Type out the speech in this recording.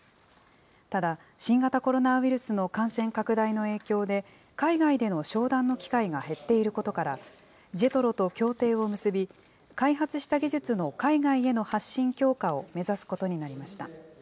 ただ、新型コロナウイルスの感染拡大の影響で、海外での商談の機会が減っていることから、ＪＥＴＲＯと協定を結び、開発した技術の海外への発信強化を目指すことになりました。